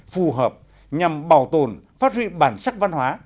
phù hợp nhằm bảo tồn phát huy bản sắc văn hóa